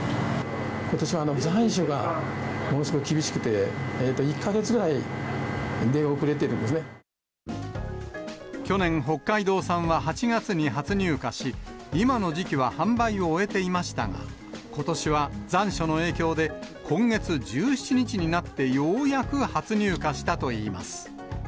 ことしは残暑がものすごい厳しくて、１か月ぐらい、出遅れている去年、北海道産は８月に初入荷し、今の時期は販売を終えていましたが、ことしは残暑の影響で、今月１７日になって、ようやく初入荷したといいます。